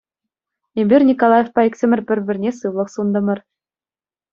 Эпир Николаевпа иксӗмӗр пӗр-пӗрне сывлӑх сунтӑмӑр.